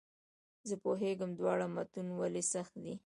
زه پوهېږم دواړه متون ولې سخت دي.